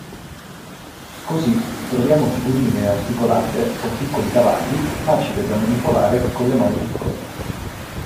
Così, troviamo figurine articolate o piccoli cavalli, facile da manipolare con le mani piccole.